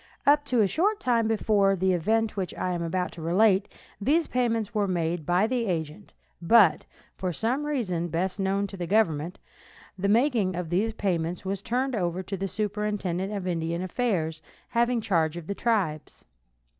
Up to a short time before the event which I am about to relate these payments were made by the agent, but, for some reason best known to the government, the making of the payment was turned over to the superintendent of Indian affairs having charge of the tribes.